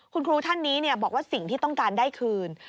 คุณครูท่านนี้บอกว่าสิ่งที่ต้องการได้คืน